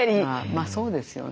まあそうですよね。